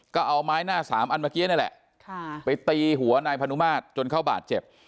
ก็เอาไม้หน้าสามอันเมื่อกี้นี่แหละไปตีหัวนายพนุมาตรจนเขาบาดเจ็บ